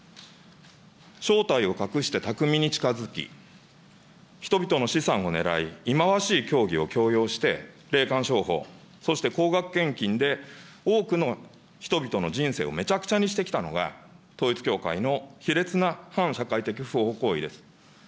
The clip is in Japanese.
正体を隠して巧みに近づき、人々の資産を狙い、忌まわしい教義を強要して、霊感商法、そして高額献金で、多くの人々の人生をめちゃくちゃにしてきたのが、統一教会の卑劣な、反社会的不法行為です。